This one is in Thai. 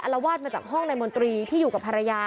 ละวาดมาจากห้องนายมนตรีที่อยู่กับภรรยา